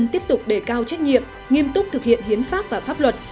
tiếp tục đề cao trách nhiệm nghiêm túc thực hiện hiến pháp và pháp luật